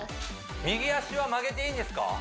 右脚は曲げていいんですか？